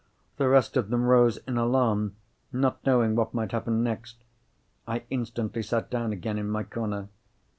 The rest of them rose in alarm, not knowing what might happen next. I instantly sat down again in my corner.